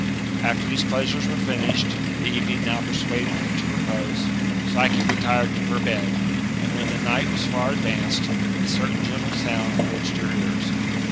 After these pleajsures were finished, the evening now persuad ing to repose. Psyche retired to her bed ; and, when the night was far advanced, a certain gentle sound approached her ears.